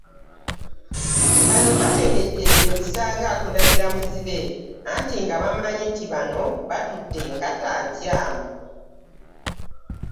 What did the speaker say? Bano batengejjedde busa ng’akunamira muzibe, anti nga bamanyi nti bano batutte enkata nkyamu.